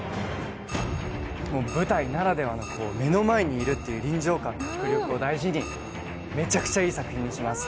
舞台ならではの目の前にいるという臨場感と迫力を大事に、めちゃくちゃいい作品にします。